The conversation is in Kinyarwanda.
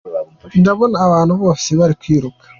Ndabona abantu bose bari kwiruka.